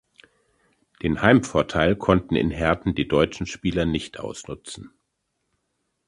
Den Heimvorteil konnten in Herten die deutschen Spieler nicht ausnutzen.